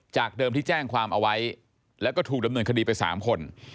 เดิมที่แจ้งความเอาไว้แล้วก็ถูกดำเนินคดีไป๓คน